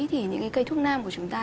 thì những cây thuốc nam của chúng ta